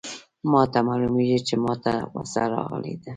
ما ته معلومیږي چي ما ته غوسه راغلې ده.